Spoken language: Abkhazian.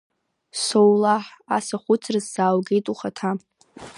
Соулаҳ ас ахәыцра сзааугеит ухаҭа…